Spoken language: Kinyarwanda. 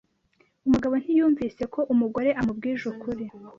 Umugabo ntiyumvise ko umugore amubwije ukuri